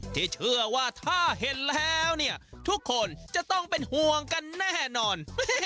ที่เชื่อว่าถ้าเห็นแล้วเนี่ยทุกคนจะต้องเป็นห่วงกันแน่นอน